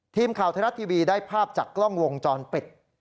ทีมข่าวไทยรัฐทีวีได้ภาพจากกล้องวงจรปิด